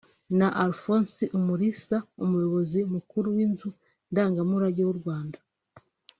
na Alphonse Umulisa Umuyobozi Mukuru w’inzu ndangamurage z’u Rwanda